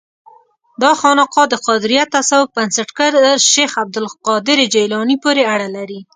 دا خانقاه د قادریه تصوف بنسټګر شیخ عبدالقادر جیلاني پورې اړه لري.